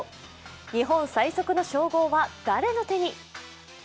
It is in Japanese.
日本最速の称号は誰の手に？